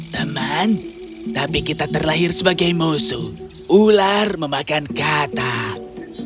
teman tapi kita terlahir sebagai musuh ular memakan katak